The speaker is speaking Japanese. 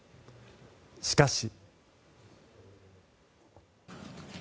しかし。